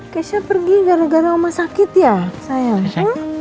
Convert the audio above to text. keisha pergi gara gara omah sakit ya sayang